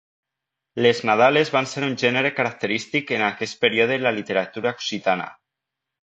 Les nadales van ser un gènere característic en aquest període en la literatura occitana.